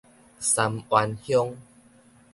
三灣鄉